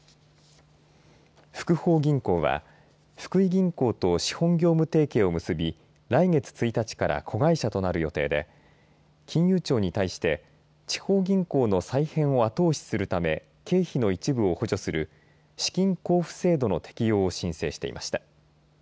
福邦銀行は福井銀行と資本業務提携を結び来月１日から子会社となる予定で金融庁に対して地方銀行の再編を後押しするため経費の一部を補助する資金交付制度の適用を申請していました。